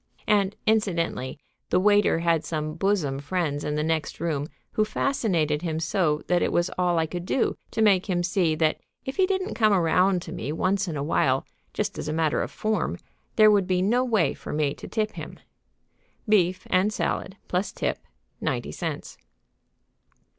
And, incidentally, the waiter had some bosom friends in the next room who fascinated him so that it was all I could do to make him see that if he didn't come around to me once in a while, just as a matter of form, there would be no way for me to tip him. Beef and salad, plus tip, ninety cents.